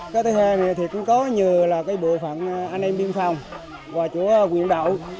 cái thứ hai này thì cũng có nhiều là cái bộ phận anh em biên phòng và chỗ quyền đạo